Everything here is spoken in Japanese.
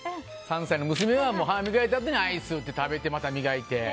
３歳の娘は歯磨いたあとにアイスを食べてまた磨いて。